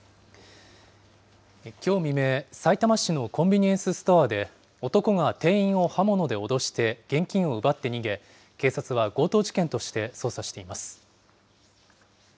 きょう未明、さいたま市のコンビニエンスストアで、男が店員を刃物で脅して、現金を奪って逃げ、警察は強盗事件として捜査しています。